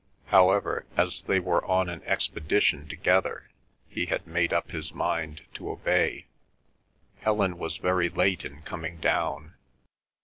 However, as they were on an expedition together, he had made up his mind to obey. Helen was very late in coming down.